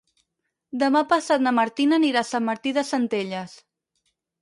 Demà passat na Martina anirà a Sant Martí de Centelles.